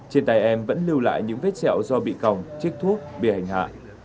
trên tay em vẫn lưu lại những vết sẹo do bị còng chích thuốc bị hành hạ